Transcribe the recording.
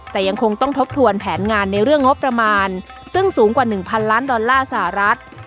แต่ยังคงต้องทบทวนแผนงานในเรื่องงบประมาณซึ่งสูงกว่า๑๐๐ล้านดอลลาร์สหรัฐ